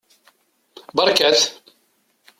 Beṛkat!